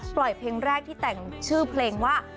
เพลงแรกที่แต่งชื่อเพลงว่า